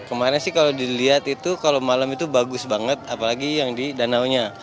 dan kemarin sih kalau dilihat itu kalau malam itu bagus banget apalagi yang di danaunya